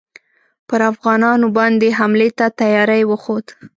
پر افغانانو باندي حملې ته تیاری وښود.